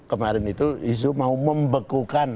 kemarin itu isu mau membekukan